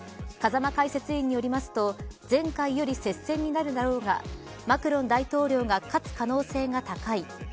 風間解説委員によりますと前回より接戦になるだろうがマクロン大統領が勝つ可能性が高い。